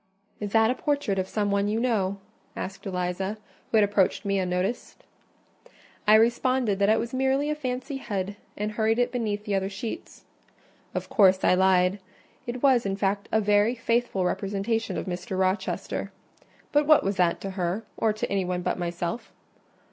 "Is that a portrait of some one you know?" asked Eliza, who had approached me unnoticed. I responded that it was merely a fancy head, and hurried it beneath the other sheets. Of course, I lied: it was, in fact, a very faithful representation of Mr. Rochester. But what was that to her, or to any one but myself?